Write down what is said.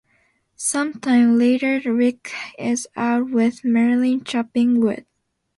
Some time later Rick is out with Marilyn chopping wood.